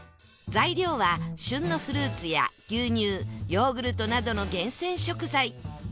材料は旬のフルーツや牛乳ヨーグルトなどの厳選食材